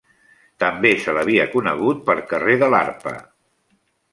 També se l'havia conegut per carrer de l'Arpa.